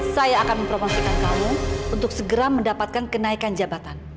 saya akan mempromosikan kamu untuk segera mendapatkan kenaikan jabatan